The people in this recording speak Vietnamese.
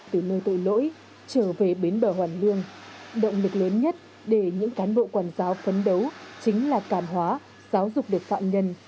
từ nơi tội lỗi trở về bến bờ hoàn lương động lực lớn nhất để những cán bộ quản giáo phấn đấu chính là cảm hóa giáo dục được phạm nhân